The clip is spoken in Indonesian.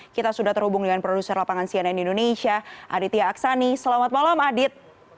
kita sudah terhubung dengan produser lapangan cnn indonesia aditya aksani selamat malam adit